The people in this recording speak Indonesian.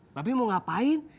mbak be mau ngapain